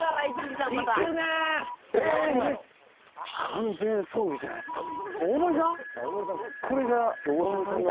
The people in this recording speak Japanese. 完全装備じゃないですか